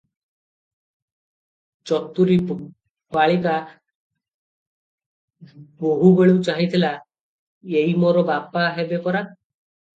ଚତୁରୀ ବାଳିକା ବହୁବେଳୁ ଚାହିଁ ଥିଲା- ଏଇ ମୋର ବାପା ହେବେ ପରା?